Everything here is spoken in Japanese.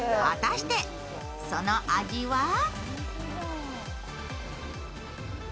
果たしてその味は？